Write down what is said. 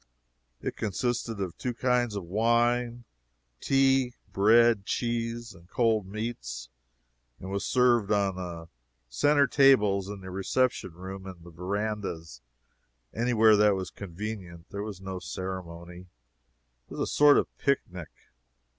It consisted of two kinds of wine; tea, bread, cheese, and cold meats, and was served on the centre tables in the reception room and the verandahs anywhere that was convenient; there was no ceremony. It was a sort of picnic.